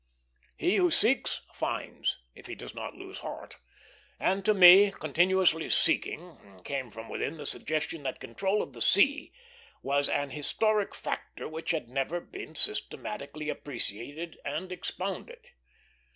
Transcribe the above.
He who seeks, finds, if he does not lose heart; and to me, continuously seeking, came from within the suggestion that control of the sea was an historic factor which had never been systematically appreciated and expounded.